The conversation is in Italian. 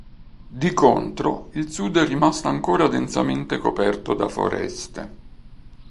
Di contro, il sud è rimasto ancora densamente coperto da foreste.